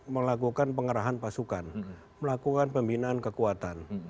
melakukan pengerahan pasukan melakukan pembinaan kekuatan